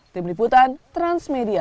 tim liputan transmedia